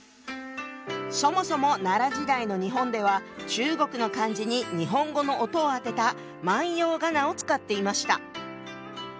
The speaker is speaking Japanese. そもそも奈良時代の日本では中国の漢字に日本語の音を当てた万葉仮名を使っていました。